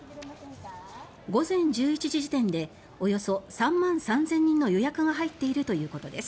午前１１時時点でおよそ３万３０００人の予約が入っているということです。